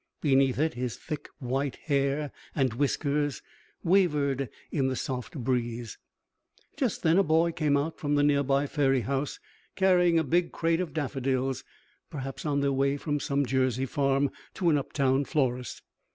Beneath it his thick white hair and whiskers wavered in the soft breeze. Just then a boy came out from the near by ferry house carrying a big crate of daffodils, perhaps on their way from some Jersey farm to an uptown florist.